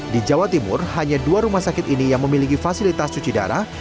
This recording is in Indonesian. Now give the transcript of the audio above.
di jawa timur hanya dua rumah sakit ini yang memiliki fasilitas cuci darah